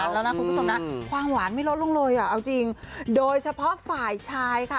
แล้วนะคุณผู้ชมนะความหวานไม่ลดลงเลยอ่ะเอาจริงโดยเฉพาะฝ่ายชายค่ะ